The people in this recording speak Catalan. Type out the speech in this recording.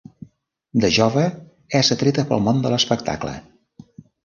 De jove, és atreta pel món de l'espectacle.